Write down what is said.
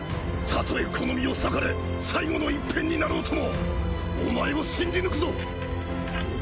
たとえこの身を裂かれ最後のいっぺんになろうともお前を信じぬくぞ！